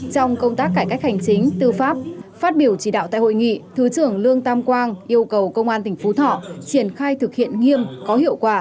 trong công tác cải cách hành chính tư pháp phát biểu chỉ đạo tại hội nghị thứ trưởng lương tam quang yêu cầu công an tỉnh phú thọ triển khai thực hiện nghiêm có hiệu quả